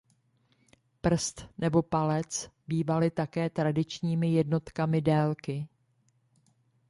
Prst nebo palec bývaly také tradičními jednotkami délky.